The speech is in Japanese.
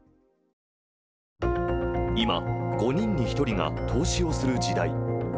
今、５人に１人が投資をする時代。